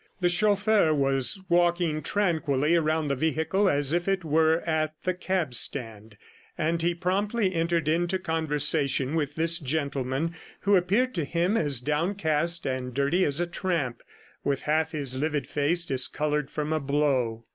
The chauffeur was walking tranquilly around the vehicle as if it were at the cab stand, and he promptly entered into conversation with this gentleman who appeared to him as downcast and dirty as a tramp, with half of his livid face discolored from a blow.